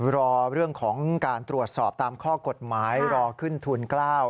รอเรื่องของการตรวจสอบตามข้อกฎหมายรอขึ้นทุน๙